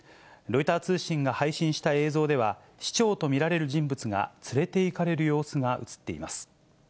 ロイター通信が配信した映像では、市長と見られる人物が連れていかれる様子が写っています。